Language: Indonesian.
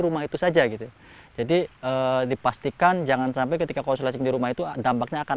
rumah itu saja gitu jadi dipastikan jangan sampai ketika konsultasi di rumah itu dampaknya akan